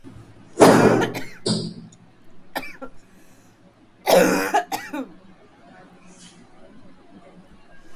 sana kwa aina yake ya Taarab iliyofanywa maarufu na akina Juma Bhalo waliokuja na